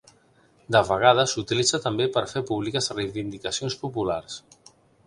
De vegades s'utilitza també per a fer públiques reivindicacions populars.